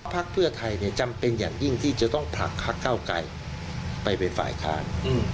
พักเพื่อไทยจำเป็นอย่างยิ่งที่จะต้องผลักพักเก้าไกลไปเป็นฝ่ายค้าน